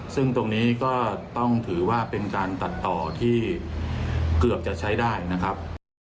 ซึ่งตรงนี้ก็ต้องถือว่าเป็นการตัดต่อที่เกือบจะใช้ได้นะครับ